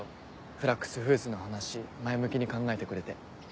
フラックスフーズの話前向きに考えてくれて。